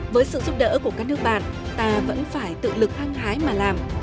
với sự giúp đỡ của các nước bạn ta vẫn phải tự lực hăng hái mà làm